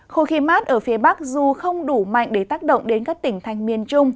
khối khí mát ở phía bắc dù không đủ mạnh để tác động đến các tỉnh thành miền trung